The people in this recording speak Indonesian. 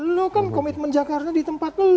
lu kan commitment jakarta di tempat lu